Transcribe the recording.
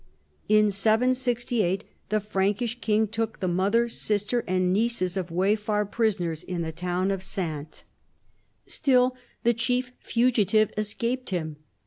In 768 the Frankish king took the mother, sister, and nieces of Waifar prisoners in the town of Saintes. Still the chief fugitive escaped him.